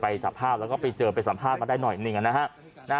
ไปจับภาพและไปเจอไปสัมภาษณ์มาได้หน่อยนะฮะ